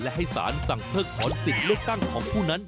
และให้สารสั่งเพิกถอนสิทธิ์เลือกตั้งของผู้นั้น